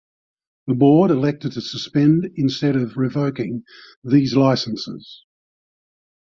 The board elected to suspend instead of revoking these licenses.